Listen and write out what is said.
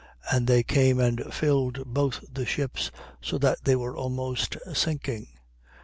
And they came and filled both the ships, so that they were almost sinking.